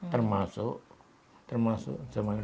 termasuk zaman pak harfad sendiri